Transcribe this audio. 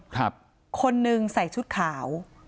คนหนึ่งใส่ชุดขาว